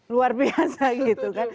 luar biasa gitu kan